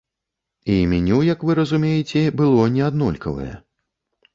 І меню, як вы разумееце, было не аднолькавае.